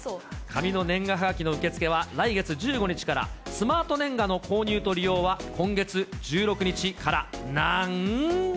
紙の年賀はがきの受け付けは来月１５日から、スマートねんがの購入と利用は、今月１６日からなん。